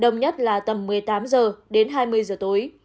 nhất là tầm một mươi tám h đến hai mươi h tối